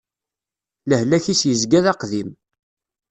Lehlak-is yezga d aqdim.